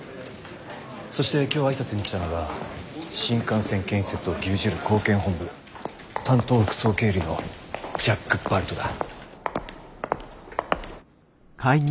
そして今日挨拶に来たのが新幹線建設を牛耳る興建本部担当副総経理のジャック・バルトだ。